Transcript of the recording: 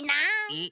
えっ？